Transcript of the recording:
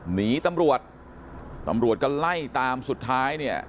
หนีตำรวจตำรวจก็ไล่ตามสุดท้ายเนี่ย